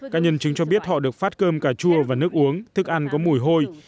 các nhân chứng cho biết họ được phát cơm cà chua và nước uống thức ăn có mùi hôi